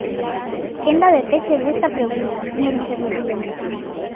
Quenda de peche desta pregunta, señor vicepresidente.